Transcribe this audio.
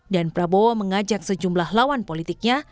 dan prabowo mengajak sejumlah lawan politiknya